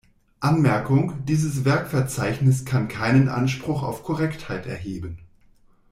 Anmerkung: Dieses Werkverzeichnis kann keinen Anspruch auf Korrektheit erheben.